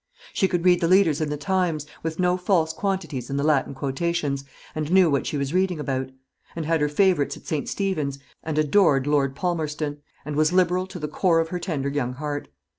She could read the leaders in the "Times," with no false quantities in the Latin quotations, and knew what she was reading about; and had her favourites at St. Stephen's; and adored Lord Palmerston, and was liberal to the core of her tender young heart.